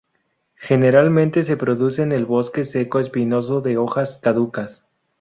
Generalmente se produce en el bosque seco espinoso de hojas caducas.